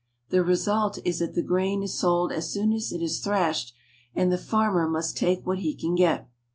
The result is that the grain is sold as soon as it is thrashed, and the farmer must take what he can get.